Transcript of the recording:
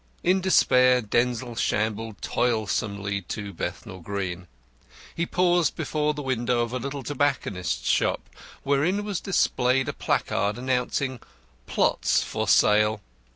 In despair Denzil shambled toilsomely to Bethnal Green. He paused before the window of a little tobacconist's shop, wherein was displayed a placard announcing "PLOTS FOR SALE."